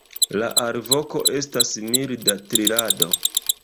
La alvoko estas milda trilado.